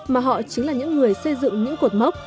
mà họ chính là những người xây dựng những cột mốc